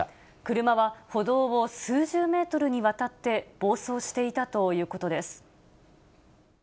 車は歩道を数十メートルにわたって暴走していたということです。